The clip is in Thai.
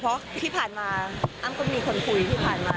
เพราะที่ผ่านมาอ้ำก็มีคนคุยที่ผ่านมา